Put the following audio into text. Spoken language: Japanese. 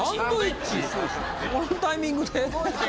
このタイミングで？